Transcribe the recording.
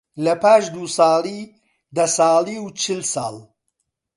لەپاش دوو ساڵی، دە ساڵی و چل ساڵ